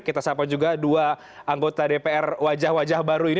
kita sapa juga dua anggota dpr wajah wajah baru ini